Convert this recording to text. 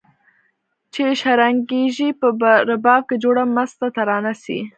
چي شرنګیږي په رباب کي جوړه مسته ترانه سي